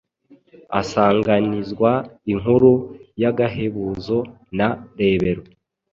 asanganizwa inkuru y’agahebuzo na Rebero,